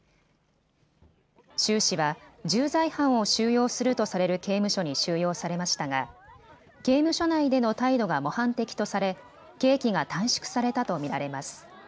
周氏は重罪犯を収容するとされる刑務所に収容されましたが刑務所内での態度が模範的とされ刑期が短縮されたと見られます。